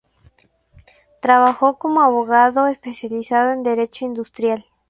Trabajó como abogado, especializado en derecho industrial.